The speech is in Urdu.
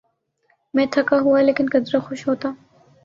میں تھکا ہوا لیکن قدرے خوش ہوتا۔